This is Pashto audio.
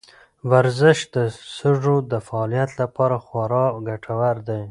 ورزش د سږو د فعالیت لپاره خورا ګټور دی.